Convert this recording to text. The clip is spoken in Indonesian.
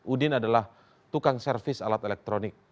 udin adalah tukang servis alat elektronik